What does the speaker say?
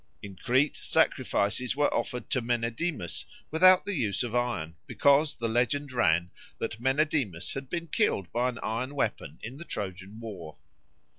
In Crete sacrifices were offered to Menedemus without the use of iron, because the legend ran that Menedemus had been killed by an iron weapon in the Trojan war.